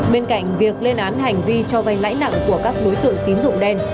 bên cạnh việc lên án hành vi cho vay lãi nặng của các đối tượng tín dụng đen